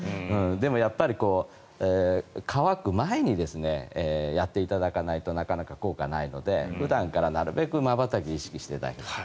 でも、やっぱり乾く前にやっていただかないとなかなか効果がないので普段からなるべく意識していただきたいです。